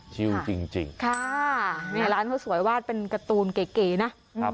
ชิวจริงค่ะนี่ร้านเขาสวยวาดเป็นการ์ตูนเก๋นะ